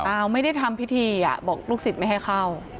ไม่ได้ทำพิธีอ่ะบอกลูกศิษย์ไม่ให้เข้า